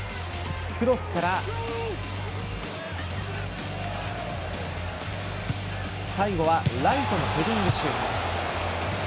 クロスから、最後はライトのヘディングシュート。